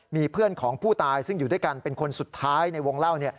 มีเพื่อนของผู้ตายซึ่งอยู่ด้วยกันเป็นคนสุดท้ายในวงเล่า